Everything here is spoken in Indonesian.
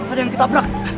ada yang kita brak